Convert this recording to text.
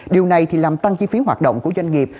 điều này thì làm tăng chi phí hoạt động của doanh nghiệp